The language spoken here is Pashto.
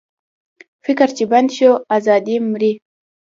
فکر چې بند شو، ازادي مري.